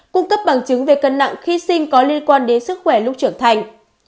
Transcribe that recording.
cung cấp bằng chứng về cân nặng khi sinh có liên quan đến sức khỏe lúc trưởng thành